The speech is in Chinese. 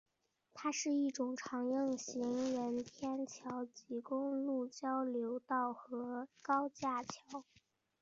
它是一种常用的行人天桥及公路交流道和高架桥。